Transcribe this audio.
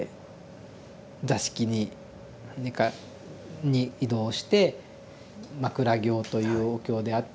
座敷に寝かに移動して枕経というお経であったり